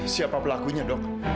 siapa pelakunya dok